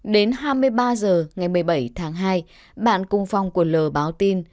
đến hai mươi ba giờ ngày một mươi bảy tháng hai bạn cung phong của l báo tin